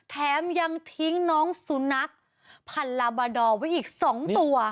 แถมยังทิ้งน้องสุนัขพันลาบาดอร์ไว้อีก๒ตัว